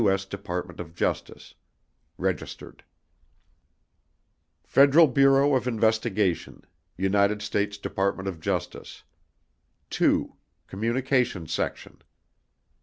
S. DEPARTMENT OF JUSTICE REGISTERED] FEDERAL BUREAU OF INVESTIGATION UNITED STATES DEPARTMENT OF JUSTICE To: COMMUNICATIONS SECTION.